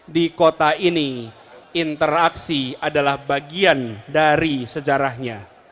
di kota ini interaksi adalah bagian dari sejarahnya